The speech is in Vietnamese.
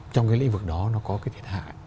trong cái lĩnh vực đó nó có cái thiệt hại